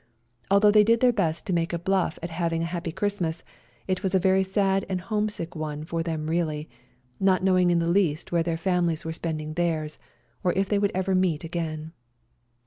Although they did their best to make a bluff at having a happy Christmas it was a very sad and homesick one for them really, not knowing in the least where their families were spending theirs, or if they would ever meet again.